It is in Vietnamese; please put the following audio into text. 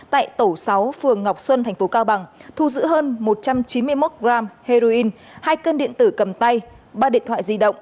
tại tổ sáu phường ngọc xuân tp cao bằng thu giữ hơn một trăm chín mươi một g heroin hai cân điện tử cầm tay ba điện thoại di động